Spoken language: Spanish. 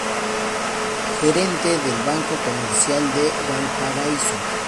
Gerente del Banco Comercial de Valparaíso.